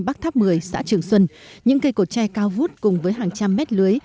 bắc tháp mười xã trường xuân những cây cột tre cao vút cùng với hàng trăm mét lưới